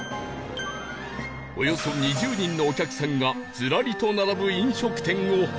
およそ２０人のお客さんがずらりと並ぶ飲食店を発見